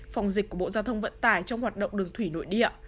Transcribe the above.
phòng dịch của bộ giao thông vận tải trong hoạt động đường thủy nội địa